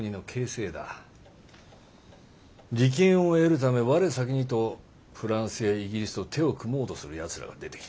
利権を得るため我先にとフランスやイギリスと手を組もうとするやつらが出てきてる。